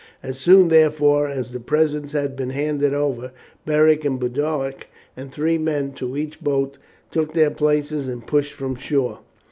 As soon, therefore, as the presents had been handed over, Beric with Boduoc and three men to each boat took their places and pushed from shore.